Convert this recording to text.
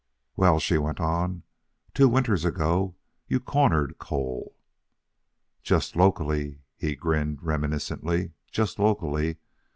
"Well," she went on, "two winters ago you cornered coal " "Just locally," he grinned reminiscently, "just locally.